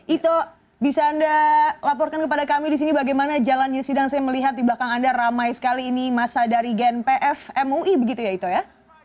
ito bisa anda laporkan kepada kami di sini bagaimana jalannya sidang saya melihat di belakang anda ramai sekali ini masa dari gnpf mui begitu ya ito ya